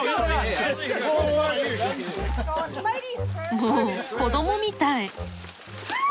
もう子どもみたい。